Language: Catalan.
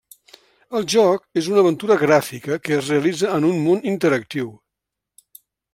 El joc és una aventura gràfica que es realitza en un món interactiu.